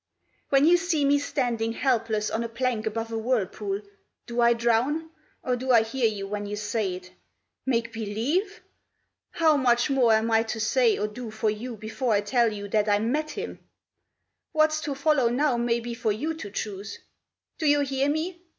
When you see me standing helpless on a plank above a whirlpool, Do I drown, or do I hear you when you say it? Make believe? How much more am I to say or do for you before I tell you That I met him! What's to follow now may be for you to choose. Do you hear me?